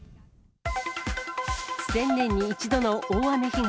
１０００年に１度の大雨被害。